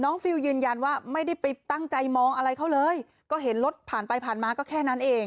ฟิลยืนยันว่าไม่ได้ไปตั้งใจมองอะไรเขาเลยก็เห็นรถผ่านไปผ่านมาก็แค่นั้นเอง